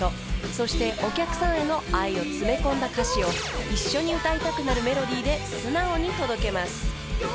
［そしてお客さんへの愛を詰め込んだ歌詞を一緒に歌いたくなるメロディーで素直に届けます］